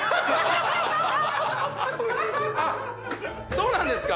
そうなんですか！